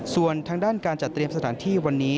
ส่วนทางด้านการจัดเตรียมสถานที่วันนี้